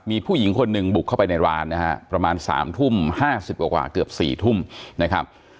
มีผู้หญิงคนหนึ่งบุกเข้าไปในร้านนะฮะประมาณ๓ทุ่ม๕๐กว่าเกือบ๔ทุ่มนะครับ